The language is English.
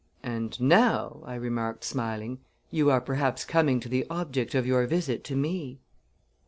"And now," I remarked, smiling, "you are perhaps coming to the object of your visit to me?"